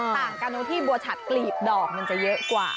ต่างกันตรงที่บัวฉัดกลีบดอกมันจะเยอะกว่า